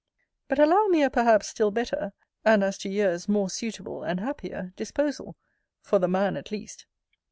But allow me a perhaps still better (and, as to years, more suitable and happier) disposal; for the man at least.